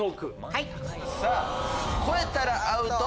超えたらアウト！